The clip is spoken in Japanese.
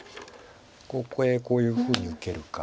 ここへこういうふうに受けるか。